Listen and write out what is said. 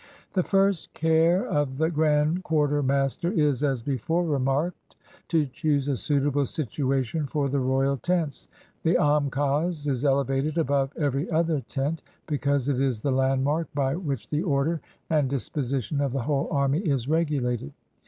The first care of the grand quartermaster is, as before remarked, to choose a suitable situation for the royal tents. The am kas is elevated above every other tent, because it is the landmark by which the order and dis position of the whole army is regulated.